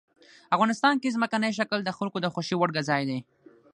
افغانستان کې ځمکنی شکل د خلکو د خوښې وړ ځای دی.